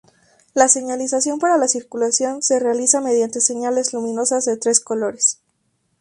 La señalización para la circulación se realiza mediante señales luminosas de tres colores.